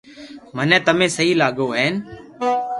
مني تمي سھي لاگو ھين